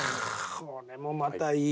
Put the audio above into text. これもまたいい。